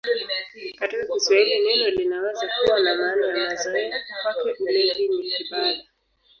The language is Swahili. Katika Kiswahili neno linaweza kuwa na maana ya mazoea: "Kwake ulevi ni ibada".